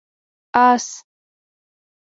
🐎 آس